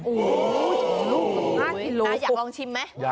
หน้าอยากลองชิมมั้ย